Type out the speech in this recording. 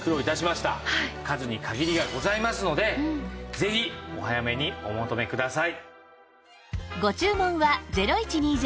数に限りがございますのでぜひお早めにお求めください。